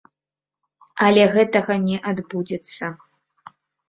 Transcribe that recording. Але гэтага не адбудзецца.